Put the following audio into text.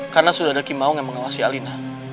karena sudah ada kim maung yang mengawasi alina